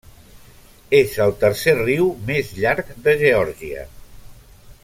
És el tercer riu més llarg de Geòrgia.